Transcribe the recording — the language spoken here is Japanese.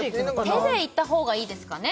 手でいった方がいいですかね